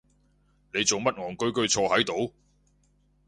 你做乜戇居居坐係度？